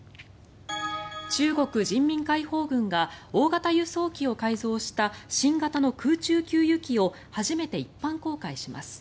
中国人民解放軍が大型輸送機を改造した新型の空中給油機を初めて一般公開します。